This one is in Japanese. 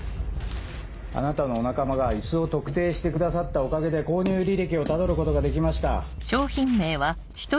あなたのお仲間が椅子を特定してくださったおかげで購入履歴をたどることができました。